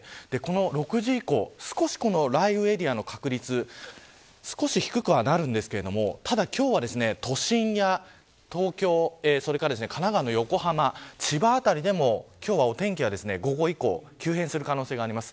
６時以降、少し雷雨エリアの確率低くなるんですがただ、今日は都心や東京それから神奈川の横浜千葉辺りでもお天気が今日は午後以降急変する可能性があります。